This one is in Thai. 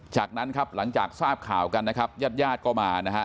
จากนั้นครับหลังจากทราบข่าวกันนะครับญาติญาติก็มานะฮะ